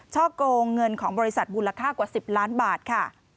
ช่อกงเงินของบริษัทมูลค่ากว่า๑๐ล้านบาทค่ะ